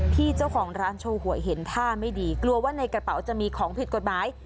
ที่เจ้าของร้านโชว์หวยเห็นท่าไม่ดีกลัวว่าในกระเป๋าจะมีของผิดกฎหมาย